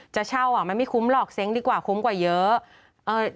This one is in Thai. จะเช่ามันไม่คุ้มหรอกเซ้งดีกว่าคุ้มกว่าเยอะ